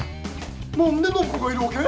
何で暢子がいるわけ？